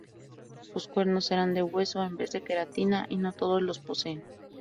Sus cuernos eran de hueso en vez de queratina, y no todos los poseen.